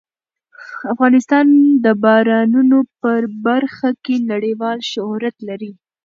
افغانستان د بارانونو په برخه کې نړیوال شهرت لري.